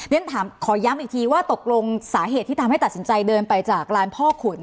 ขอย้ำอีกทีว่าตกลงสาเหตุที่ทำให้ตัดสินใจเดินไปจากร้านพ่อขุน